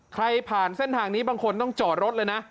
ใครผ่านเส้นทางนี้บางคนต้องจอดรถเลยนะ